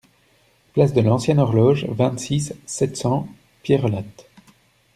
Place de l'Ancienne Horloge, vingt-six, sept cents Pierrelatte